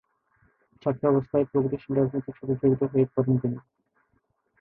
ছাত্রাবস্থায় প্রগতিশীল রাজনীতির সাথে জড়িত হয়ে পড়েন তিনি।